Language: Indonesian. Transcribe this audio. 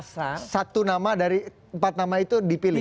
satu nama dari empat nama itu dipilih